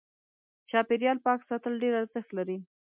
چاپېريال پاک ساتل ډېر ارزښت لري.